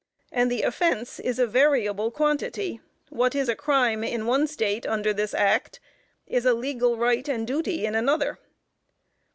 And the offense is a variable quantity; what is a crime in one State under this Act, is a legal right and duty in another.